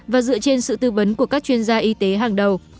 và dựa trên sự tư vấn của các chuyên gia y tế hàng đầu